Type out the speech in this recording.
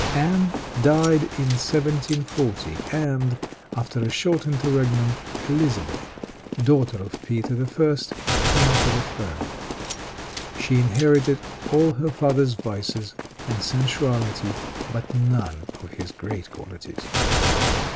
Anne died in 1740, and, after a short interregnum, Elizabeth, daughter of Peter I., came to the throne. She inherited all her father's vices and sensuality, but none of his great qualities.